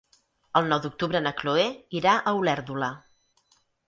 El nou d'octubre na Chloé irà a Olèrdola.